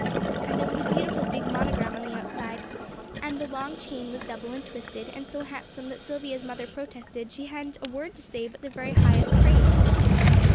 And there was a beautiful big monogram on the outside; and the long chain was double and twisted, and so handsome that Silvia's mother protested she hadn't a word to say but the very highest praise!